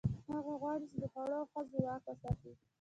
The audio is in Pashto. هغه غواړي، چې د خوړو او ښځو واک وساتي.